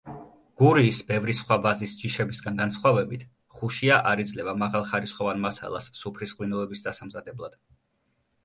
გურიის ბევრი სხვა ვაზის ჯიშებისგან განსხვავებით ხუშია არ იძლევა მაღალხარისხოვან მასალას სუფრის ღვინოების დასამზადებლად.